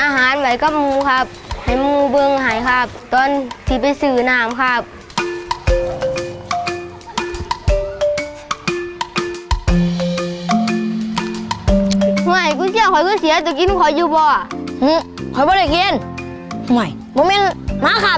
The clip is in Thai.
มันมีหมาขาไปกินหรือเปล่า